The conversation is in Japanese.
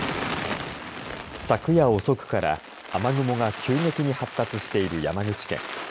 昨夜遅くから雨雲が急激に発達している山口県。